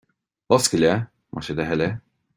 Oscail é, más é do thoil é